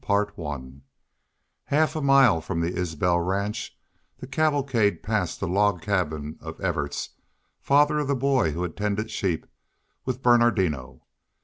CHAPTER IX Half a mile from the Isbel ranch the cavalcade passed the log cabin of Evarts, father of the boy who had tended sheep with Bernardino.